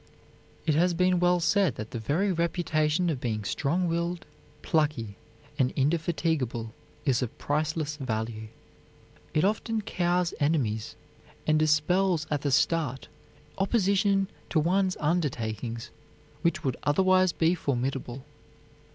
It has been well said that the very reputation of being strong willed, plucky, and indefatigable is of priceless value. It often cows enemies and dispels at the start opposition to one's undertakings which would otherwise be formidable.